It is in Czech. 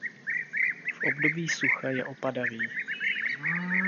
V období sucha je opadavý.